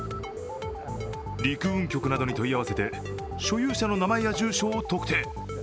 陸運局などに問い合わせて所有者の名前や住所を特定。